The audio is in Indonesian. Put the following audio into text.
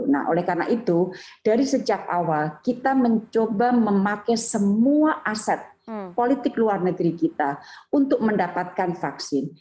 nah oleh karena itu dari sejak awal kita mencoba memakai semua aset politik luar negeri kita untuk mendapatkan vaksin